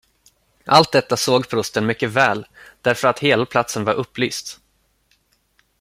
Allt detta såg prosten mycket väl, därför att hela platsen var upplyst.